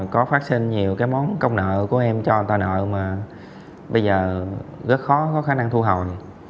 có phát sinh nhiều cái món công nợ của em cho tà nợ mà bây giờ rất khó có khả năng thu hồi